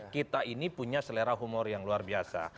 kita ini punya selera humor yang luar biasa